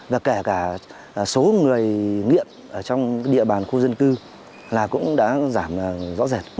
và kể cả số người nghiện trong địa bàn khu dân cư cũng đã giảm rõ rệt